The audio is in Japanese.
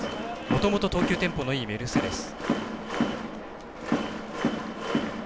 もともと投球テンポのいいメルセデス。